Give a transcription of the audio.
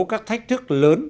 các thách thức lớn